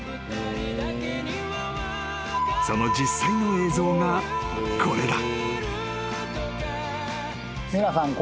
［その実際の映像がこれだ］